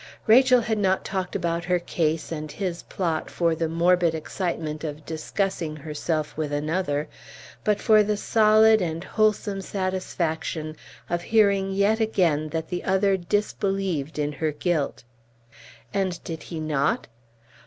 Rachel had not talked about her case and his plot for the morbid excitement of discussing herself with another, but for the solid and wholesome satisfaction of hearing yet again that the other disbelieved in her guilt. And did he not?